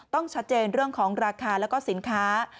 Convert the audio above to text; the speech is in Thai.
ต้องชัดเจนเรื่องของราคาแล้วก็สินค้า